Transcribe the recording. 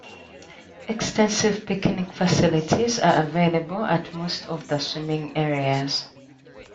Extensive picnic facilities are available at most of the swimming areas.